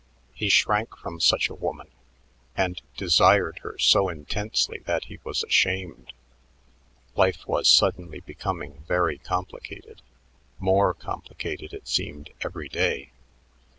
He shrank from such a woman and desired her so intensely that he was ashamed. Life was suddenly becoming very complicated, more complicated, it seemed, every day.